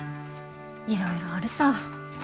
いろいろあるさ。